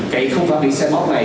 cái không pháp điện xe móc này